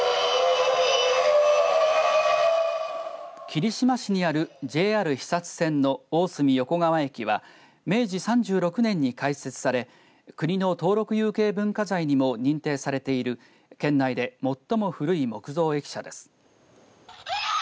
霧島市にあるＪＲ肥薩線の大隅横川駅は明治３６年に開設され国の登録有形文化財にも認定されている県内で最も古い木造駅舎です。